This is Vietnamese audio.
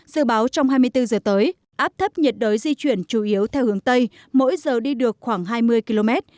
dự báo trong hai mươi bốn giờ tới áp thấp nhiệt đới di chuyển chủ yếu theo hướng tây mỗi giờ đi được khoảng hai mươi km